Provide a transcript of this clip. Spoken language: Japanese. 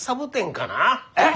えっ！？